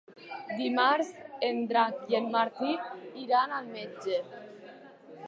Dimarts en Drac i en Martí iran al metge.